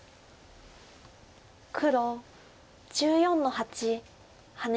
黒１４の八ハネ。